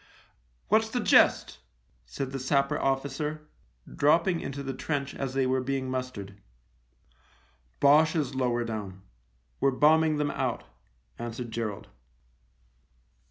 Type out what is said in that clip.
" What's the jest ?" said the sapper officer, dropping into the trench as they were being mustered. " Boches lower down. We're bombing them out," answered Gerald.